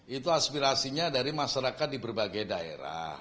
itu aspirasinya dari masyarakat di berbagai daerah